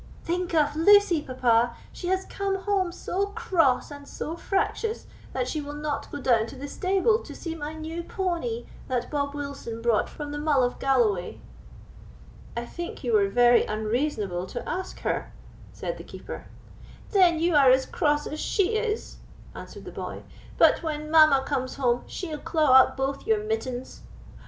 "Think of Lucy, papa; she has come home so cross and so fractious, that she will not go down to the stable to see my new pony, that Bob Wilson brought from the Mull of Galloway." "I think you were very unreasonable to ask her," said the Keeper. "Then you are as cross as she is," answered the boy; "but when mamma comes home, she'll claw up both your mittens."